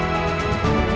it menderita penawar